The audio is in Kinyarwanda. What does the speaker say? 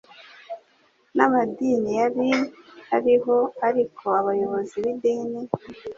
n'amadini yari ariho, ariko abayobozi b'idini,